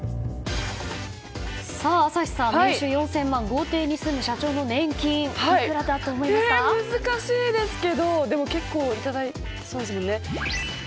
朝日さん、年収４０００万豪邸に住む社長の年金難しいですけど結構いただいてそうですよね。